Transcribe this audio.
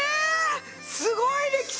すごい歴史！